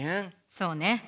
そうね。